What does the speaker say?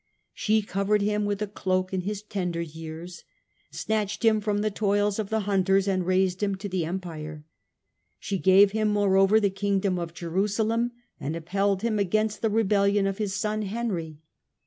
She covered him with a cloak in his tender years, snatched him from the toils of the hunters and raised him to the Empire. She gave him moreover the Kingdom of Jerusalem and upheld him against the rebellion of his son Henry.